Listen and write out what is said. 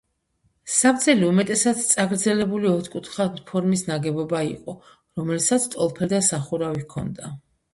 საბძელი უმეტესად წაგრძელებული ოთხკუთხა ფორმის ნაგებობა იყო, რომელსაც ტოლფერდა სახურავი ჰქონდა.